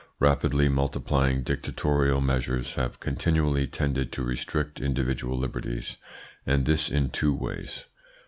Rapidly multiplying dictatorial measures have continually tended to restrict individual liberties, and this in two ways.